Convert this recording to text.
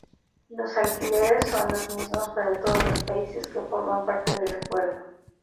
Los alquileres son los mismos para todos los países que forman parte del acuerdo.